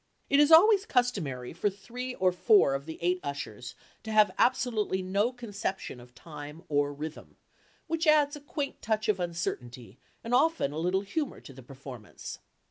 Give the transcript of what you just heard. It is always customary for three or four of the eight ushers to have absolutely no conception of time or rhythm, which adds a quaint touch of uncertainty and often a little humor to the performance.